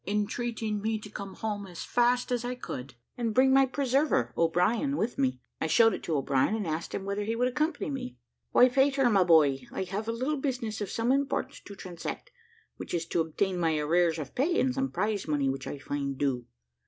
entreating me to come home as fast as I could, and bring my preserver O'Brien with me. I showed it to O'Brien, and asked him whether he would accompany me. "Why, Peter, my boy, I have a little business of some importance to transact; which is to obtain my arrears of pay, and some prize money which I find due.